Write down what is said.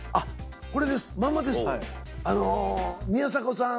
「これです『まんま』です」。